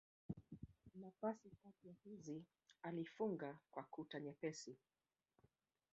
Nafasi kati ya hizi alifunga kwa kuta nyepesi.